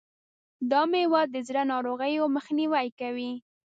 دا مېوه د زړه ناروغیو مخنیوی کوي.